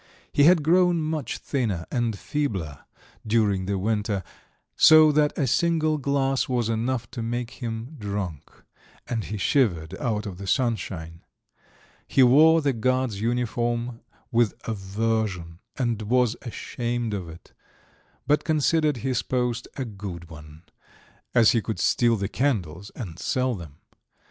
He had grown much thinner and feebler during the winter, so that a single glass was enough to make him drunk, and he shivered out of the sunshine. He wore the guard's uniform with aversion and was ashamed of it, but considered his post a good one, as he could steal the candles and sell them.